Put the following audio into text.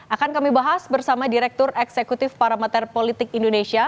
akan kami bahas bersama direktur eksekutif parameter politik indonesia